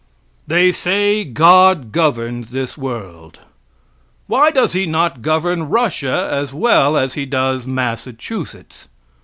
They say God governs this world. Why does He not govern Russia as well as He does Massachusetts?